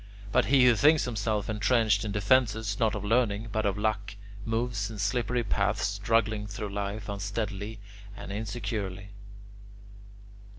But he who thinks himself entrenched in defences not of learning but of luck, moves in slippery paths, struggling through life unsteadily and insecurely."